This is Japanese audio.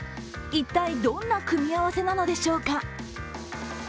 一体どんな組み合わせなのでしょうか。